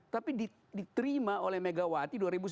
tapi diterima oleh megawati dua ribu sembilan belas